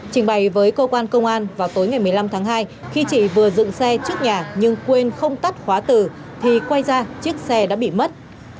trình bày với cơ quan công an vào tối ngày một mươi năm tháng hai khi chị vừa dựng xe trước nhà nhưng quên không tắt khóa từ thì quay ra chiếc xe đã bị mất